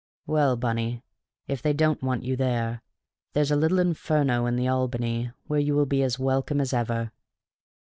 Well, Bunny, if they don't want you there, there's a little Inferno in the Albany where you will be as welcome as ever."